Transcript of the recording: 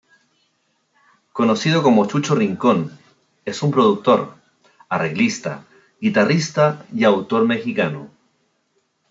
Conocido como Chucho Rincón, es un productor, arreglista, guitarrista y autor Mexicano.